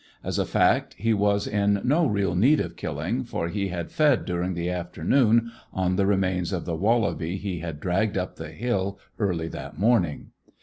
As a fact, he was in no real need of killing, for he had fed during the afternoon on the remains of the wallaby he had dragged up the hill early that morning.